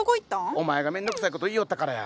お前が面倒くさい事言いよったからや。